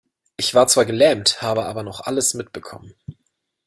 Ich war zwar gelähmt, habe aber noch alles mitbekommen.